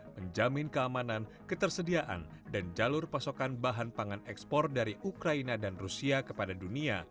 menjamin keamanan ketersediaan dan jalur pasokan bahan pangan ekspor dari ukraina dan rusia kepada dunia